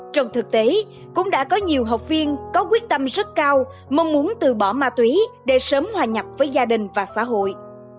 trong thực tế cũng đã có nhiều học viên có quyết tâm rất cao mong muốn từ bỏ ma túy để sớm hòa nhập với gia đình và xã hội